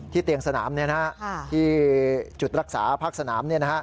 เตียงสนามที่จุดรักษาภาคสนาม